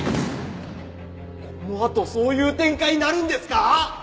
このあとそういう展開になるんですか？